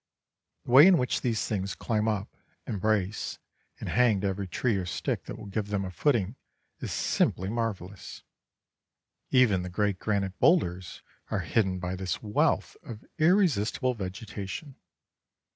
The way in which these things climb up, embrace, and hang to every tree or stick that will give them a footing is simply marvellous. Even the great granite boulders are hidden by this wealth of irresistible vegetation.